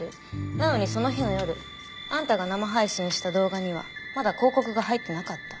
なのにその日の夜あんたが生配信した動画にはまだ広告が入ってなかった。